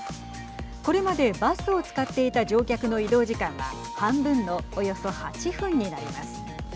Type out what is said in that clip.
これまでバスを使っていた乗客の移動時間は半分のおよそ８分になります。